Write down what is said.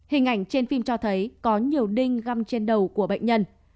hình ảnh trên phim cho thấy có nhiều đinh găm trên đầu của bệnh nhân